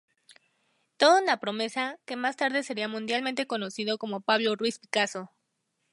Toda una promesa, que más tarde sería mundialmente conocido como Pablo Ruiz Picasso.